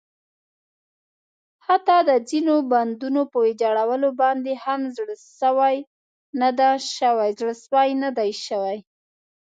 حتٰی د ځینو بندونو په ویجاړولو باندې هم زړه سوی نه ده شوی.